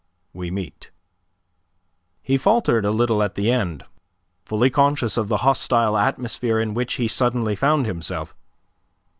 we meet." He faltered a little at the end, fully conscious of the hostile atmosphere in which he suddenly found himself.